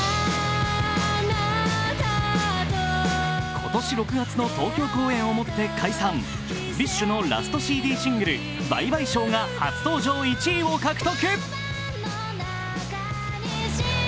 今年６月の東京公演をもって解散ＢｉＳＨのラストＣＤシングル「Ｂｙｅ−ＢｙｅＳｈｏｗ」が初登場１位を獲得。